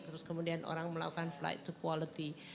terus kemudian orang melakukan flight to quality